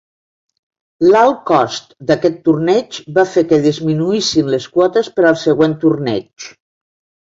L'alt cost d'aquest torneig va fer que disminuïssin les quotes per al següent torneig.